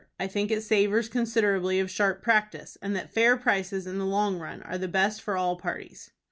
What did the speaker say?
I think it savors considerably of sharp practice, and that fair prices in the long run are the best for all parties.